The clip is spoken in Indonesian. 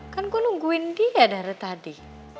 kan gue nungguin dia dari tadi